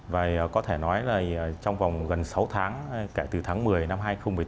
và có thể nói là trong vòng gần sáu tháng kể từ tháng một mươi năm hai nghìn một mươi tám